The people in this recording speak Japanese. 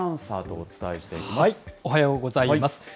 おはようございます。